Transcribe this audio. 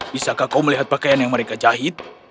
bisakah kau melihat pakaian yang mereka jahit